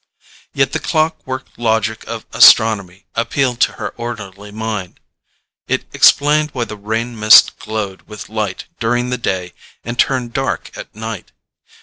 Yet the clock work logic of astronomy appealed to her orderly mind. It explained why the rain mist glowed with light during the day and turned dark at night.